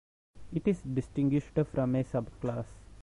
It is distinguished from a subclass.